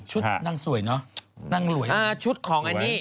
ชุดนั่งสวยเนาะ